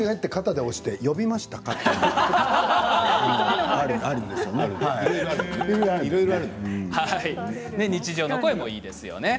間違えて肩で押して呼びましたかって日常の声もいいですよね。